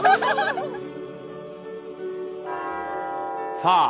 さあ